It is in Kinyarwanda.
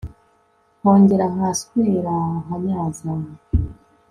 nkongera nkasweraaaa, nkanyazaaaa